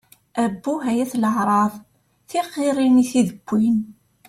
Abbuh, ay at leεṛaḍ! Tiɣiṛin i tid-wwin!